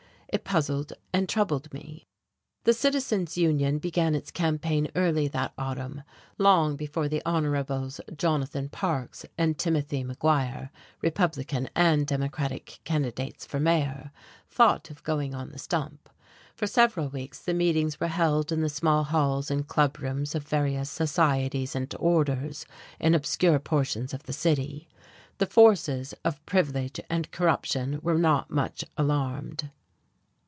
It puzzled and troubled me. The Citizens Union began its campaign early that autumn, long before the Hons. Jonathan Parks and Timothy MacGuire Republican and Democratic candidates for Mayor thought of going on the stump. For several weeks the meetings were held in the small halls and club rooms of various societies and orders in obscure portions of the city. The forces of "privilege and corruption" were not much alarmed.